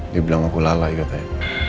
dia bilang aku lalai katanya